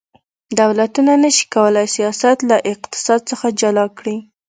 دولتونه نشي کولی سیاست له اقتصاد څخه جلا کړي